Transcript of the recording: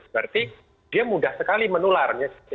berarti dia mudah sekali menular